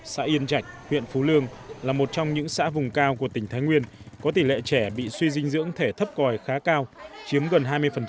xã yên trạch huyện phú lương là một trong những xã vùng cao của tỉnh thái nguyên có tỷ lệ trẻ bị suy dinh dưỡng thể thấp còi khá cao chiếm gần hai mươi